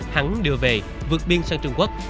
hắn đưa về vượt biên sang trung quốc